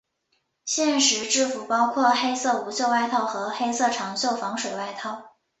现时制服包括黑色无袖外套和黑色长袖防水外套。